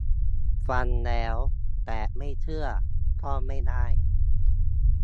ฟังแล้ว แต่ไม่เชื่อ ก็ไม่ได้